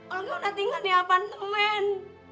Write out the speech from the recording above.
olga udah tinggal di apartemen